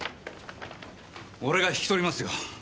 俺が引き取りますよ。